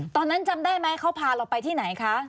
ตอนนั้นจำได้ไหมเขาพาเราไปที่ไหนคะ